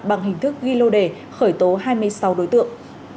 bằng hình thức ghi lô đề khởi tố hai mươi sáu đối tượng